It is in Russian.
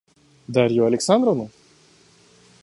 Дарью Александровну?